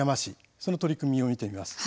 その取り組みを見てみます。